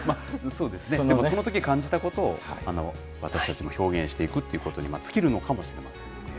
そうですね、そのとき感じたことを、私たちも表現していくということに尽きるのかもしれませんね。